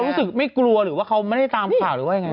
รู้สึกไม่กลัวหรือว่าเขาไม่ได้ตามข่าวหรือว่ายังไง